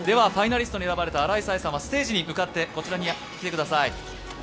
ファイナリストに選ばれた新井彩永さんはステージに向かって、こちらの来てください。